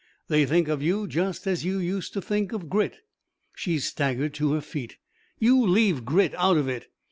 They think of you just as you used to think of Grit...." She staggered to her feet. "You leave Grit out of it!"